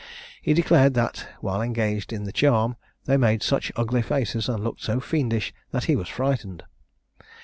He declared that, while engaged in the charm, they made such ugly faces and looked so fiendish, that he was frightened.